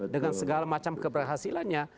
dengan segala macam keberhasilannya